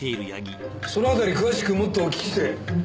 その辺り詳しくもっとお聞きして。